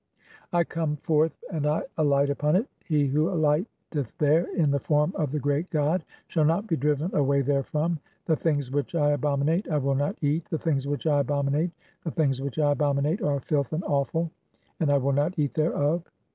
I come forth "and I alight upon it; he who alighteth there in the form of the "great god shall not be driven away therefrom. The (12) things "which I abominate I will not eat ; the things which I abomi "nate, the things which I abominate are filth and offal, and I "will not eat thereof.